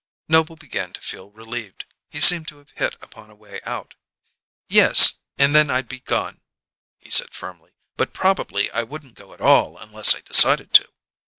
Noble began to feel relieved; he seemed to have hit upon a way out. "Yes; and then I'd be gone," he said firmly. "But probably I wouldn't go at all unless I decided to."